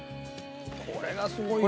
これがすごいよな。